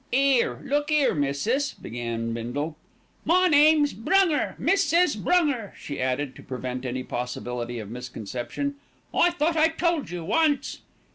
"'Ere, look 'ere, missis " began Bindle. "My name's Brunger Mrs. Brunger," she added, to prevent any possibility of misconception. "I thought I told you once."